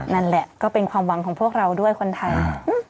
นั่นแหละก็เป็นความหวังของพวกเราด้วยคนไทย